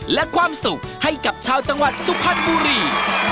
และความสุขให้กับชาวจังหวัดสุพรรณบุรี